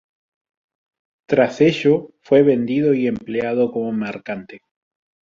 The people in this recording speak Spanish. Tras ello, fue vendido y empleado como mercante.